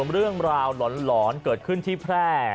เรื่องราวหลอนเกิดขึ้นที่แพร่